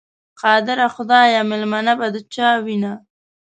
قادره خدایه، مېلمنه به د چا وینه؟